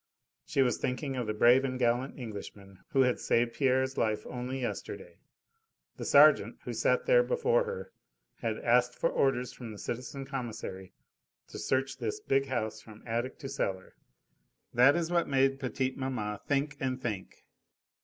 She was thinking of the brave and gallant Englishman who had saved Pierre's life only yesterday. The sergeant, who sat there before her, had asked for orders from the citizen Commissary to search this big house from attic to cellar. That is what made petite maman think and think.